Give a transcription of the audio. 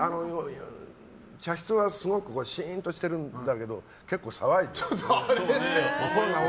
茶室はすごくしーんとしてるんだけど結構騒いじゃって。